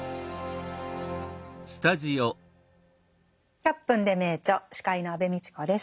「１００分ｄｅ名著」司会の安部みちこです。